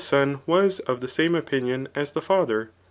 son was of the same opinion as the father